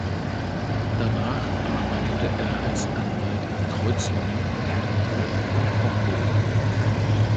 Danach arbeitete er als Anwalt in Kreuzlingen, Herrenhof und Homburg.